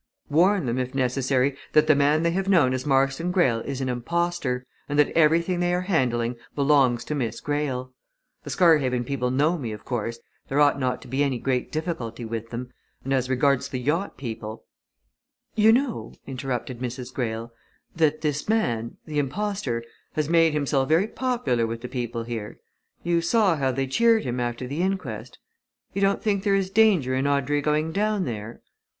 "Warn them, if necessary, that the man they have known as Marston Greyle is an impostor, and that everything they are handling belongs to Miss Greyle. The Scarhaven people know me, of course there ought not to be any great difficulty with them and as regards the yacht people " "You know," interrupted Mrs. Greyle, "that this man the impostor has made himself very popular with the people here? You saw how they cheered him after the inquest? You don't think there is danger in Audrey going down there?"